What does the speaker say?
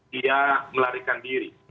dia melarikan diri